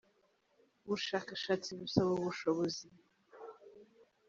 Ubushakashatsi busaba ubushobozi.